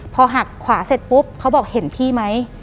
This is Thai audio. พอหักขวาเสร็จปุ๊บเขาบอกเห็นพี่ไหม